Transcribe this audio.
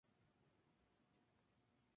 Se encuentra en Togo y Benín.